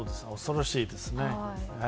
恐ろしいですね。